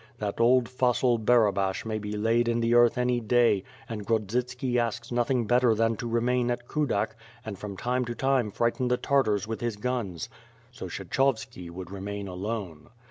That old fossil, Barabash, may be laid in the earth any day, and Grod zitski asks nothing better than to remain at Kudak, and from time to time frighten the Tartars with his guns. So Kshechovski would remain alone.